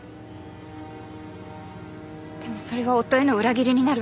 でもそれは夫への裏切りになる。